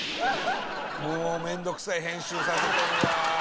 「もう面倒くさい編集させてるよ」